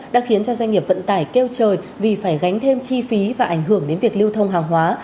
đã khiến cho doanh nghiệp vận tải kêu trời vì phải gánh thêm chi phí và ảnh hưởng đến việc lưu thông hàng hóa